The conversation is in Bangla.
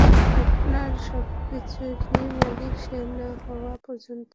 আপনার সবকিছুর মালিক সে না হওয়া পর্যন্ত খুন করেই যেতে থাকবে!